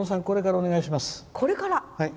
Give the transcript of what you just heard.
これからお願いします。